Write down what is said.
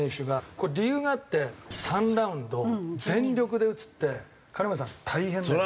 これ理由があって３ラウンド全力で打つって金村さん大変だよね。